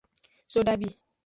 Sodabi.